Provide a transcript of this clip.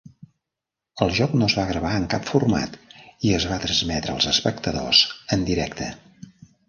El joc no es va gravar en cap format i es va transmetre als espectadors en directe.